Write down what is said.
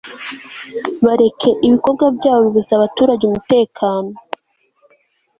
bareke ibikorwa byabo bibuza abaturage umutekano